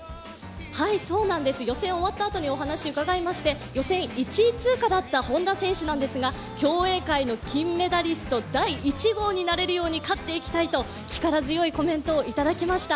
予選終わったあとにお話を伺いまして予選１位通過だった本多選手なんですが、競泳界の金メダリスト第１号になれるよう勝っていきたいと力強いコメントをいただきました。